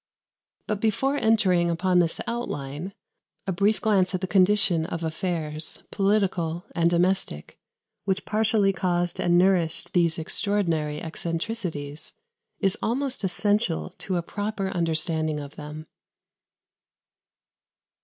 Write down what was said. But before entering upon this outline, a brief glance at the condition of affairs political and domestic, which partially caused and nourished these extraordinary eccentricities, is almost essential to a proper understanding of them.